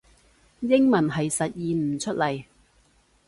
英文係實現唔出嚟